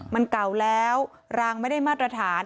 มันเก่าแล้วรางไม่ได้มาตรฐาน